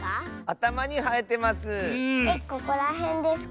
あたまにはえてます！